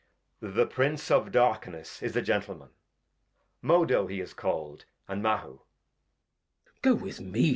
Edg. The Prince of Darkness is a Gentleman ; Modo he is call'd, and Mahu. Glost. Go with me.